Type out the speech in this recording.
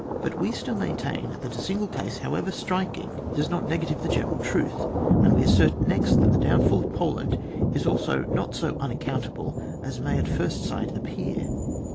But we still maintain that a single case, however striking, does not negative the general truth, and wo assert next that the downfall of Poland is also not so unaccountable as may at first sight appear.